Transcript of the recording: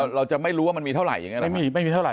เราจะไม่รู้ว่ามันมีเท่าไหร่อย่างนี้หรอครับ